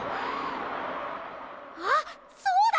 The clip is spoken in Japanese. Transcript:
あっそうだ！